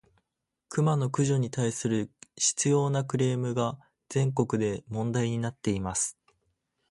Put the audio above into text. クマの駆除に対する執拗（しつよう）なクレームが、全国で問題になっています。